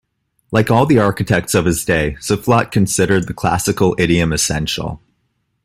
Like all the architects of his day, Soufflot considered the classical idiom essential.